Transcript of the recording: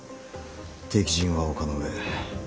敵陣は丘の上。